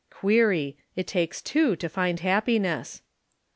"Query. It takes two to find happiness."